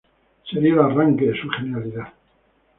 Sería el arranque de su genialidad.